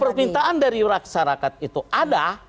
kalau permintaan dari rakyat itu ada